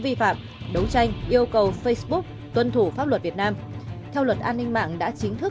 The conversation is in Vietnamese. vi phạm đấu tranh yêu cầu facebook tuân thủ pháp luật việt nam theo luật an ninh mạng đã chính thức